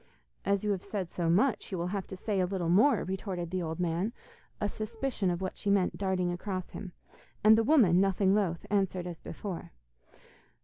'As you have said so much you will have to say a little more,' retorted the old man, a suspicion of what she meant darting across him; and the woman, nothing loth, answered as before.